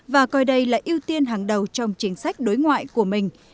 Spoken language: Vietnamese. và coi đây là ưu tiên hàng đầu trong chính sách đối ngoại của mình